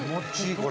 これ。